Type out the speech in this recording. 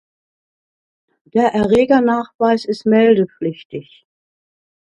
Der Erregernachweis ist meldepflichtig.